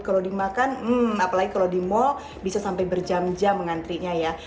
kalau dimakan apalagi kalau di mall bisa sampai berjam jam mengantrinya ya